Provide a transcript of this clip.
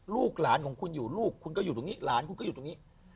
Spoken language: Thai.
ลูกหลานของคุณอยู่ลูกคุณก็อยู่ตรงนี้หลานคุณก็อยู่ตรงนี้